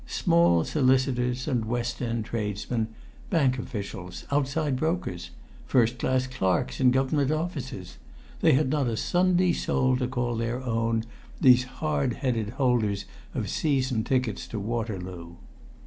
Small solicitors and west end tradesmen, bank officials, outside brokers, first class clerks in Government offices, they had not a Sunday soul to call their own, these hard headed holders of season tickets to Waterloo.